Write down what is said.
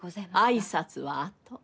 挨拶はあと。